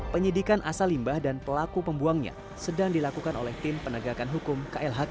penyidikan asal limbah dan pelaku pembuangnya sedang dilakukan oleh tim penegakan hukum klhk